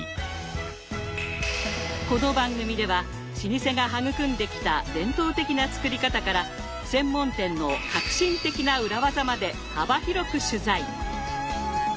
この番組では老舗が育んできた伝統的な作り方から専門店の革新的な裏技まで幅広く取材。